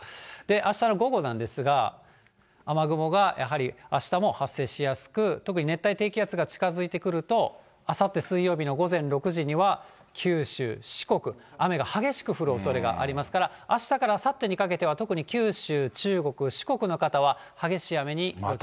あしたの午後なんですが、雨雲がやはりあしたも発生しやすく、特に熱帯低気圧が近づいてくると、あさって水曜日午前６時には、九州、四国、雨が激しく降るおそれがありますから、あしたからあさってにかけては特に九州、中国、四国の方は激しい雨にご注意ください。